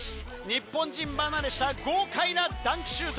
日本人離れした豪快なダンクシュート。